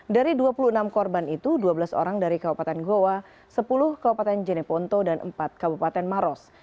dari dua puluh enam korban itu dua belas orang dari kabupaten goa sepuluh kabupaten jeneponto dan empat kabupaten maros